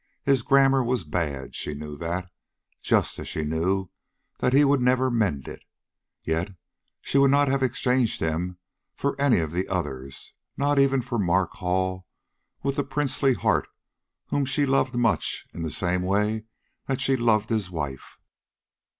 His grammar was bad; she knew that, just as she knew that he would never mend it. Yet she would not have exchanged him for any of the others, not even for Mark Hall with the princely heart whom she loved much in the same way that she loved his wife.